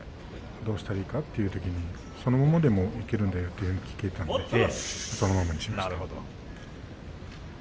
どうしたらいいかというときにそのままでもできるということなんで、そのままにしました。